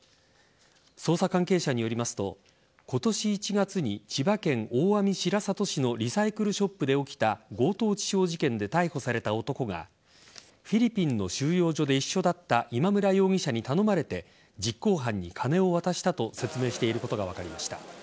捜査関係者によりますと今年１月に千葉県大網白里市のリサイクルショップで起きた強盗致傷事件で逮捕された男がフィリピンの収容所で一緒だった今村容疑者に頼まれて実行犯に金を渡したと説明していることが分かりました。